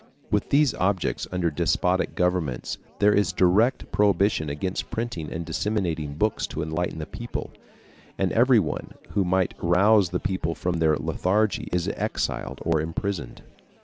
With these objects under despotic governments there is direct prohibition against printing and disseminating books to enlighten the people, and everyone who might rouse the people from their lethargy is exiled or imprisoned.